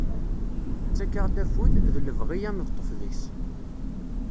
Tettak-aɣ-d afud, d lebɣi ad neṭṭef deg-s.